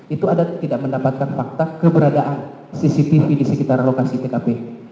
itu ada tidak mendapatkan fakta keberadaan cctv di sekitar lokasi tkp